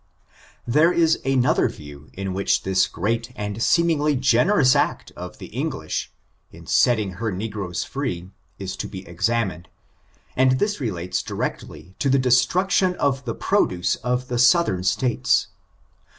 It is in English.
There is another view, in which this great and seemingly generous act of the English, in setting her n^foes free, is to be examined ; and this relates directly to the destniction of the produce of the southern states.